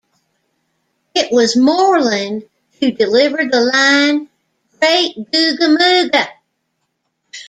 It was Moreland who delivered the line, Great Googa Mooga!